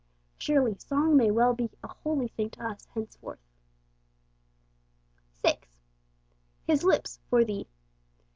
Surely song may well be a holy thing to us henceforth. 6. His Lips 'for thee.'